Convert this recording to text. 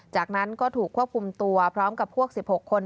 จากนั้นก็ถูกควบคุมตัวพร้อมกับพวก๑๖คน